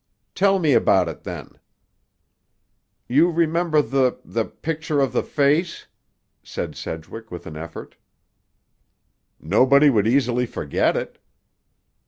"Tell me about it, then." "You remember the—the picture of the face?" said Sedgwick with an effort. "Nobody would easily forget it."